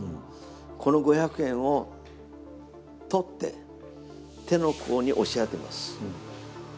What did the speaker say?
この５００円を取って手の甲に押し当てます。